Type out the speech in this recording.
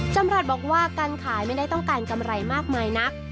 จำรัฐบอกว่าการขายไม่ได้ต้องการกำไรมากมายนัก